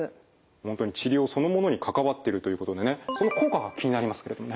本当に治療そのものに関わってるということでねその効果が気になりますけれどもね。